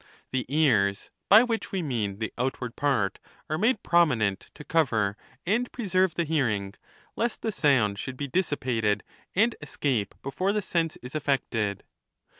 The ears (by which we mean the outward part) are made prominent, to cover and preserve the liearing, lest the sound should be dissipated and escape before the sense is affected.